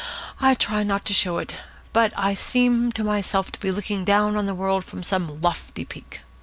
I try not to show it, but I seem to myself to be looking down on the world from some lofty peak.